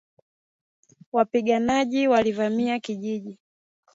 Wapiganaji walivamia kijiji